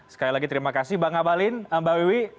sekali lagi terima kasih bang abalin mbak wiwi